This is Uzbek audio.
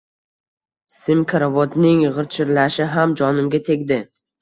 Sim karavotning g`ichirlashi ham jonimga tegdi